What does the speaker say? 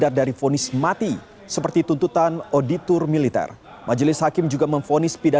tni menangis hingga berhenti